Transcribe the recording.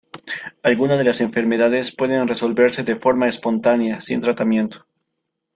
Alguna de las enfermedades pueden resolverse de forma espontánea sin tratamiento.